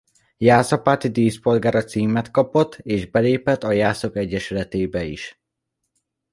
Jászapáti díszpolgára címet kapott és belépett a Jászok Egyesületébe is.